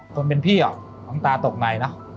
คนเป็นพี่ตาตกในนะ